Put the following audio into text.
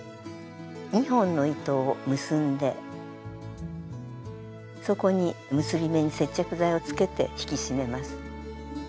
２本の糸を結んでそこに結び目に接着剤をつけて引き締めます。